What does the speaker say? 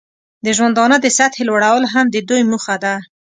د ژوندانه د سطحې لوړول هم د دوی موخه ده.